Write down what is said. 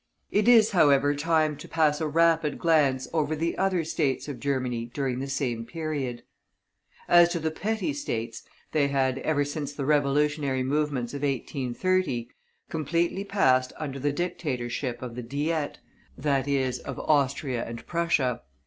It is, however, time to pass a rapid glance over the other States of Germany during the same period. As to the petty States, they had, ever since the revolutionary movements of 1830, completely passed under the dictatorship of the Diet, that is of Austria and Prussia.